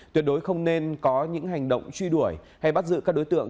tuyệt đối không nên có những hành động truy đuổi hay bắt giữ các đối tượng